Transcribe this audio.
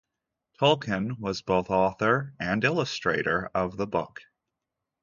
Tolkien was both author and illustrator of the book.